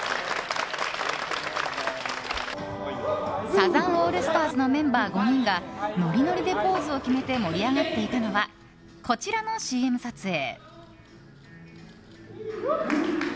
サザンオールスターズのメンバー５人がノリノリでポーズを決めて盛り上がっていたのはこちらのＣＭ撮影。